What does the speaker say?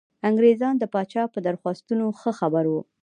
انګرېزان د پاچا په درخواستونو ښه خبر وو.